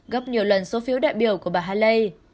gấp nhiều lần số phiếu đại biểu của bà haley